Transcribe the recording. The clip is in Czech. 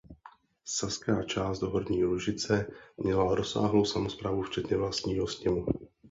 Saská část Horní Lužice měla rozsáhlou samosprávu včetně vlastního sněmu.